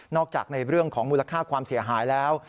จากในเรื่องของมูลค่าความเสียหายแล้ว